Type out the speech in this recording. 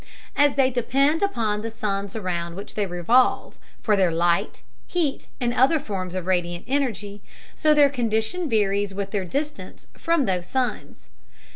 As they depend upon the suns around which they revolve for their light, heat, and other forms of radiant energy, so their condition varies with their distance from those suns.